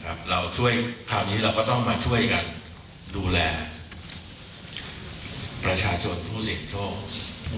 คราวนี้เราก็ต้องมาช่วยกันดูแลประชาชนผู้เสียโชค